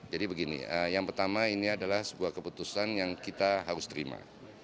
jadi begini yang pertama ini adalah sebuah keputusan yang kita harus terima